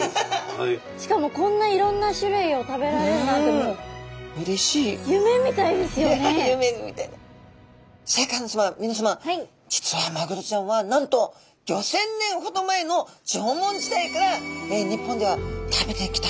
しかもこんないろんな種類を食べられるなんてもうシャーク香音さま皆さま実はマグロちゃんはなんと５，０００年ほど前の縄文時代から日本では食べてきたお魚っていうことなんですね。